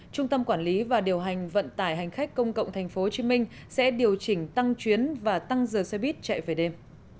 trung tâm quản lý và điều hành vận tải hành khách công cộng tp hcm sẽ điều chỉnh tăng chuyến và tăng giờ xe buýt chạy về đêm